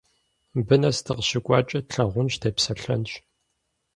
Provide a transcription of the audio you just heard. Мыбы нэс дыкъыщыкӀуакӀэ тлъагъунщ, депсэлъэнщ.